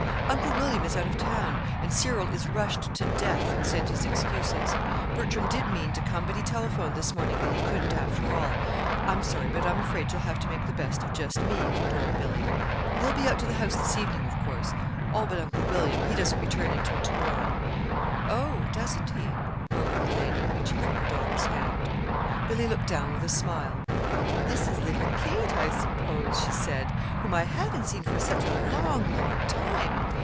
"Uncle William is out of town, and Cyril is rushed to death and sent his excuses. Bertram did mean to come, but he telephoned this morning that he couldn't, after all. I'm sorry, but I'm afraid you'll have to make the best of just me," condoled Billy. "They'll be out to the house this evening, of course all but Uncle William. He doesn't return until to morrow." "Oh, doesn't he?" murmured the lady, reaching for her daughter's hand. Billy looked down with a smile. "And this is little Kate, I suppose," she said, "whom I haven't seen for such a long, long time.